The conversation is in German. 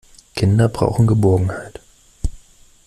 Kinder brauchen Geborgenheit.